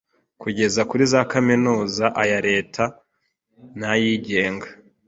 kugeza kuri za Kaminuza aya Leta n’ayigenga